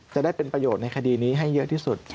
จะได้เป็นประโยชน์ในคดีนี้ให้เยอะที่สุด